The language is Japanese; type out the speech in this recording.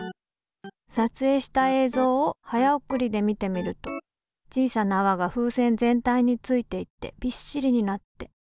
さつえいした映像を早送りで見てみると小さなあわが風船全体についていってびっしりになって。